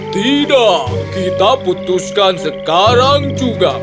tidak kita putuskan sekarang juga